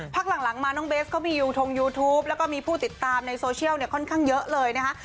พักหลังมาน้องเบสก็มียูทงยูทูปแล้วก็มีผู้ติดตามในโซเชียลเนี่ยค่อนข้างเยอะเลยนะคะ